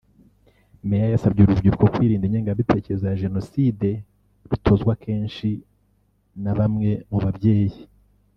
Meya yasabye uru rubyiruko kwirinda ingengabitekerezo ya Jenoside rutozwa akenshi na bamwe mu babyeyi